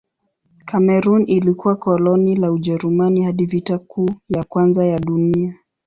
Kamerun ilikuwa koloni la Ujerumani hadi Vita Kuu ya Kwanza ya Dunia.